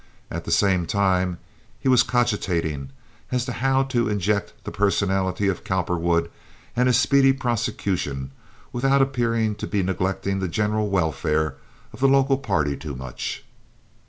At the same time he was cogitating as to how to inject the personality of Cowperwood and his speedy prosecution without appearing to be neglecting the general welfare of the local party too much.